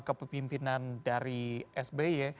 kepemimpinan dari sby